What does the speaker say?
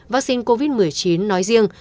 vaccine covid một mươi chín nói riêng